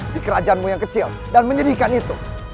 di kerajaanmu yang kecil dan menyedihkan itu